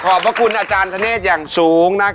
ขอบคุณอาจารย์ธนเนธอย่างสูง